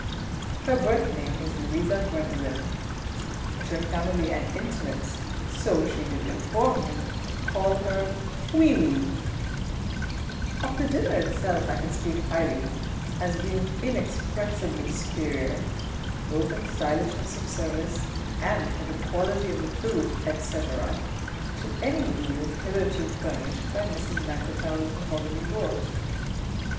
Her birth name is LOUISA GWENDOLEN; but her family and intimates, so she did inform me, call her "WEE WEE." Of the dinner itself I can speak highly, as being inexpressibly superior, both in stylishness of service and for the quality of the food, etc., to any meals hitherto furnished by Mrs MANKLETOW'S mahogany board.